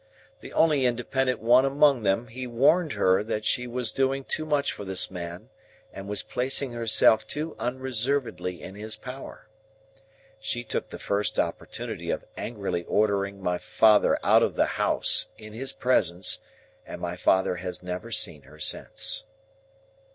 The only independent one among them, he warned her that she was doing too much for this man, and was placing herself too unreservedly in his power. She took the first opportunity of angrily ordering my father out of the house, in his presence, and my father has never seen her since."